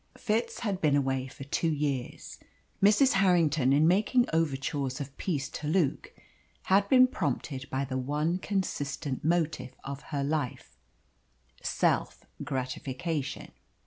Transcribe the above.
Fitz had been away for two years. Mrs. Harrington in making overtures of peace to Luke had been prompted by the one consistent motive of her life, self gratification.